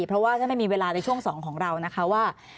เพราะว่าท่านไม่มีเวลาในช่วง๒ของเรานะคะว่า